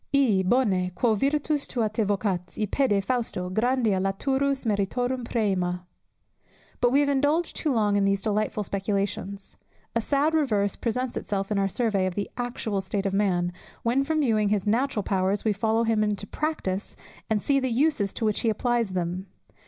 "I, bone, quo virtus tua te vocat, i pede fausto, Grandia laturus meritorum præmia." But we have indulged too long in these delightful speculations; a sad reverse presents itself on our survey of the actual state of man, when, from viewing his natural powers, we follow him into practice, and see the uses to which he applies them.